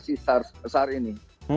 spesifikasi besar ini